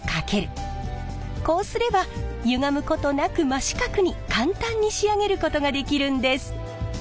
こうすればゆがむことなく真四角に簡単に仕上げることができるんです。